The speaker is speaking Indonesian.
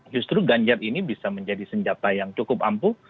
justru ganjar ini bisa menjadi senjata yang cukup ampuh